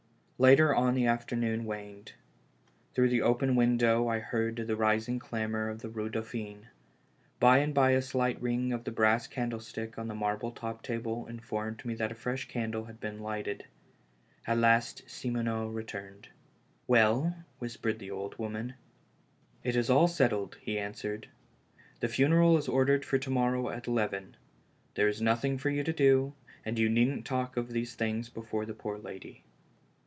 Later on the afternoon waned. Through the open win 252 THE LAST HOPE. dow I heard the rising clamor of the Eue Danphine. By and by a slight ring of the brass candlestick on tlie marble topped table informed me that a fresh candle had been lighted. At last Simoneau returned. "Well?" whispered the old woman. "It is all settled," he .answered ; "the funeral is or dered for to morrow' at eleven. There is nothing for you to do, and you needn't talk of these things before the poor lady."